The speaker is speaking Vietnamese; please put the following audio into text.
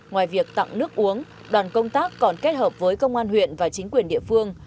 ngoài việc tặng nước uống đoàn công tác còn kết hợp với công an huyện và chính quyền địa phương